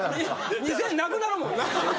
２，０００円なくなるもんな。